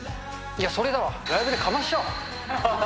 それだわ、ライブでかましちゃおう。